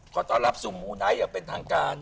ขอตอบรับสุงหูใดเป็นทางการ